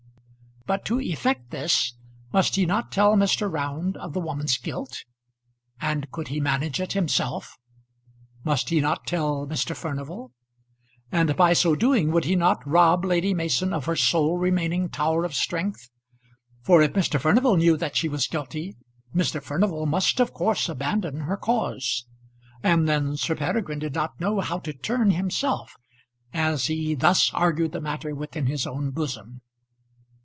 But to effect this must he not tell Mr. Round of the woman's guilt? And could he manage it himself? Must he not tell Mr. Furnival? And by so doing, would he not rob Lady Mason of her sole remaining tower of strength? for if Mr. Furnival knew that she was guilty, Mr. Furnival must of course abandon her cause. And then Sir Peregrine did not know how to turn himself, as he thus argued the matter within his own bosom.